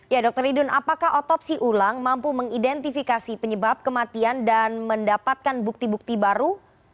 ya dr idun apakah otopsi ulang mampu mengidentifikasi penyebab kematian dan mendapatkan bukti bukti baru